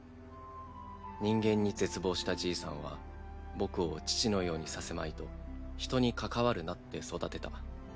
人間に絶望したじいさんは僕を父のようにさせまいと人に関わるなって育てた。